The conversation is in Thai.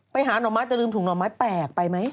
หน่อไม้จะลืมถุงห่อไม้แปลกไปไหม